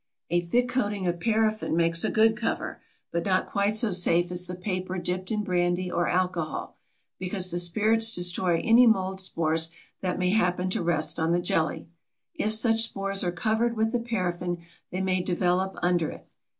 A thick coating of paraffin makes a good cover, but not quite so safe as the paper dipped in brandy or alcohol, because the spirits destroy any mold spores that may happen to rest on the jelly. If such spores are covered with the paraffin they may develop under it.